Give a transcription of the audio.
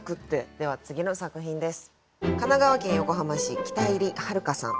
では次の作品です。